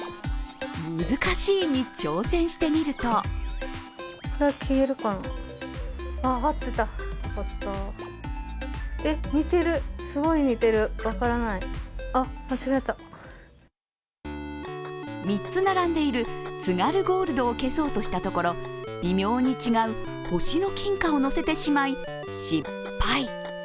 「難しい」に挑戦してみると３つ並んでいる津軽ゴールドを消そうとしたところ微妙に違う星の金貨を乗せてしまい、失敗。